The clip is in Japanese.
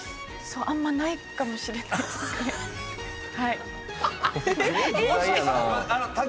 あんまないかもしれないですね。